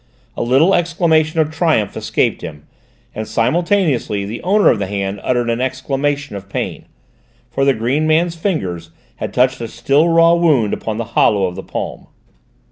A little exclamation of triumph escaped him, and simultaneously the owner of the hand uttered an exclamation of pain, for the green man's fingers had touched a still raw wound upon the hollow of the palm.